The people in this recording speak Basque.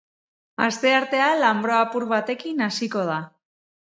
Asteartea lanbro apur batekin hasiko da.